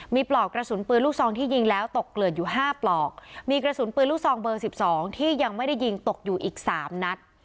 มีปลอกกระสุนปืนลูกซองที่ยิงแล้วตกเกลือดอยู่ห้าปลอกมีกระสุนปืนลูกซองเบอร์๑๒ที่ยังไม่ได้ยิงตกอยู่อีกสามนัด